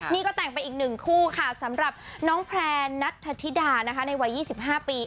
นี่ก็แต่งไปอีกหนึ่งคู่สำหรับน้องแพลร์ณัฐธิดาในวัย๒๕ปี